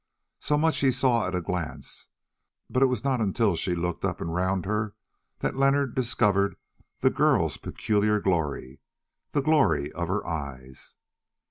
So much he saw at a glance, but it was not until she looked up and round her that Leonard discovered the girl's peculiar glory, the glory of her eyes.